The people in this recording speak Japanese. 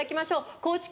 高知県